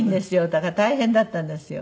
だから大変だったんですよ。